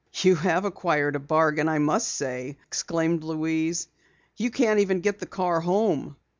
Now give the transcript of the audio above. "You have acquired a bargain, I must say!" exclaimed Louise. "You can't even get the car home."